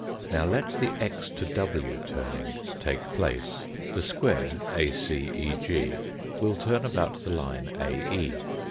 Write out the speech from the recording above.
Now let the x to w turning take place. The square ACEG will turn about the line AE.